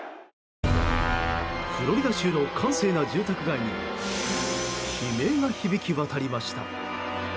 フロリダ州の閑静な住宅街に悲鳴が響き渡りました。